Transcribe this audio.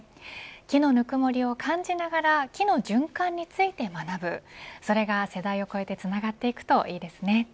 木のぬくもりを感じながら木の循環について学ぶそれが世代を超えてつながっていくといいですね。